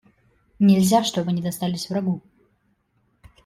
Нельзя, чтобы они достались врагу.